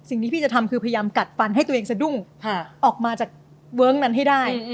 พี่จะทำคือพยายามกัดฟันให้ตัวเองสะดุ้งออกมาจากเวิ้งนั้นให้ได้